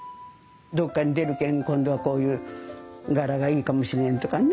どっかに出るけん今度はこういう柄がいいかもしれんとかね